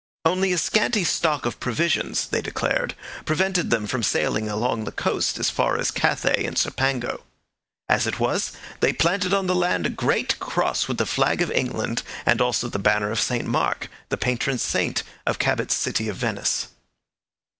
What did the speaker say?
Only a scanty stock of provisions, they declared, prevented them from sailing along the coast as far as Cathay and Cipango. As it was they planted on the land a great cross with the flag of England and also the banner of St Mark, the patron saint of Cabot's city of Venice.